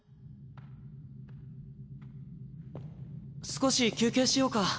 少し休憩しようか。